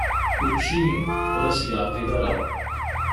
Učči, ur as-yeɛḍil ara.